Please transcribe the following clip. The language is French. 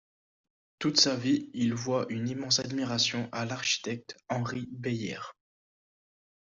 Toute sa vie il voua une immense admiration à l'architecte Henri Beyaert.